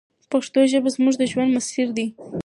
پښتو ژبه زموږ د ژوند مسیر دی.